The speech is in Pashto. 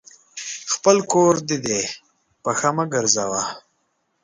خپل کور دي دی ، پښه مه ګرځوه !